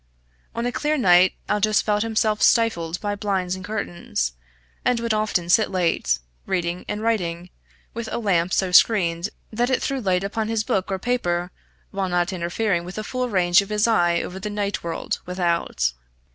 On a clear night Aldous felt himself stifled by blinds and curtains, and would often sit late, reading and writing, with a lamp so screened that it threw light upon his book or paper, while not interfering with the full range of his eye over the night world without.